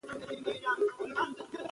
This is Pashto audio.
زه له ژوند څخه الحمدلله خوشحاله یم.